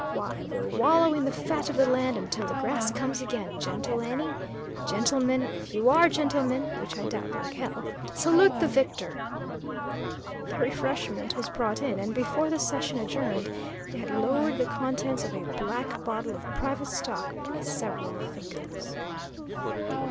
Why, we'll wallow in the fat of the land until the grass comes again, gentle Annie. Gentlemen, if you are gentlemen, which I doubt like hell, salute the victor!" The refreshment was brought in, and before the session adjourned, they had lowered the contents of a black bottle of private stock by several fingers.